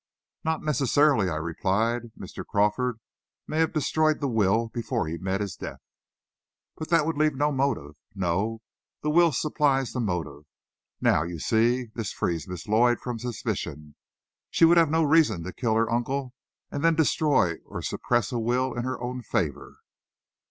"Not necessarily," I replied. "Mr. Crawford may have destroyed the will before he met his death." "But that would leave no motive. No, the will supplies the motive. Now, you see, this frees Miss Lloyd from suspicion. She would have no reason to kill her uncle and then destroy or suppress a will in her own favor."